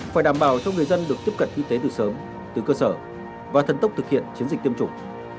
phải đảm bảo cho người dân được tiếp cận y tế từ sớm từ cơ sở và thần tốc thực hiện chiến dịch tiêm chủng